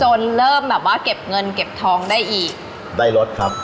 เริ่มแบบว่าเก็บเงินเก็บทองได้อีกได้รถครับ